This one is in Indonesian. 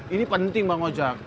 ini penting bang ojek